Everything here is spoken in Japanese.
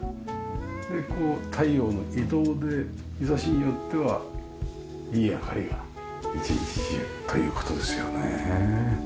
こう太陽の移動で日差しによってはいい明かりが一日中という事ですよね。